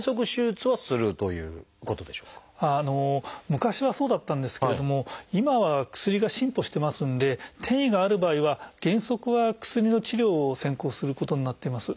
昔はそうだったんですけれども今は薬が進歩してますんで転移がある場合は原則は薬の治療を先行することになってます。